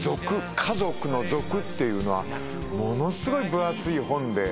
家族の「族」っていうのはものすごい分厚い本で。